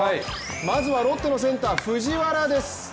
まずはロッテのセンター・藤原です